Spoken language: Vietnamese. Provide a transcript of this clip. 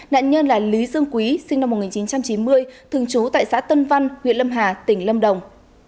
nạn nhân là lý dương quý sinh năm một nghìn chín trăm chín mươi thường trú tại xã tân văn huyện lâm hà tỉnh lâm đồng